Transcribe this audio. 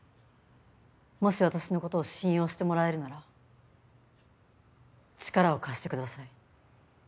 もし私のことを信用してもらえるなら力を貸してください。